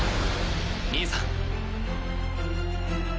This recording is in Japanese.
兄さん。